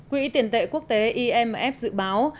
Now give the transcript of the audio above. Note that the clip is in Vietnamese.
quỹ tiền tệ quốc tế imf dự báo